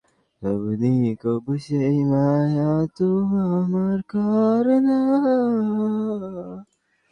ফলে না তোমরা সত্যকে গ্রহণ করছ আর না গ্রহণ করার ইচ্ছা করছ।